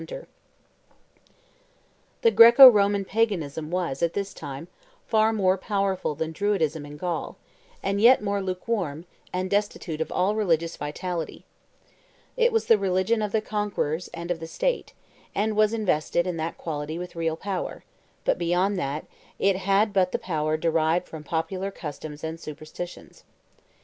[Illustration: Druids offering Human Sacrifices 111] The Greco Roman Paganism was, at this time, far more powerful than Druidism in Gaul, and yet more lukewarm and destitute of all religious vitality. It was the religion of the conquerors and of the state, and was invested, in that quality, with real power; but, beyond that, it had but the power derived from popular customs and superstitions.